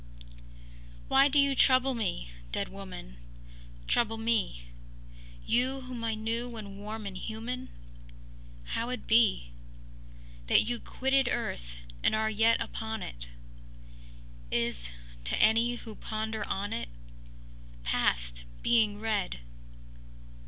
“Why do you trouble me, dead woman, Trouble me; You whom I knew when warm and human? —How it be That you quitted earth and are yet upon it Is, to any who ponder on it, Past being read!